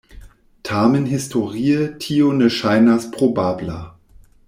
Tamen historie tio ne ŝajnas probabla.